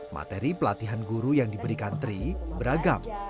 materi pelatihan guru yang diberikan tri beragam